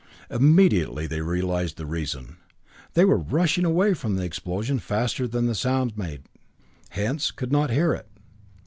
Immediately they realized the reason. They were rushing away from the explosion faster than the sound it made, hence could not hear it.